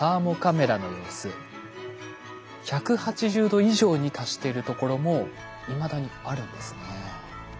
１８０度以上に達してるところもいまだにあるんですね。